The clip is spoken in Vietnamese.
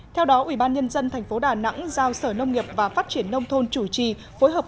theo đó ủy ban nhân dân tp đà nẵng giao sở nông nghiệp và phát triển nông thôn chủ trì phối hợp